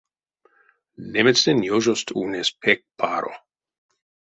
Немецтнень ёжост ульнесь пек паро.